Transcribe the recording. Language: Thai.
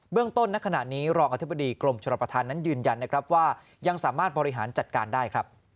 เบื้องต้นนักขณะนี้รองอธิบดีกรมชลประธานยืนยันว่ายังสามารถบริหารจัดการได้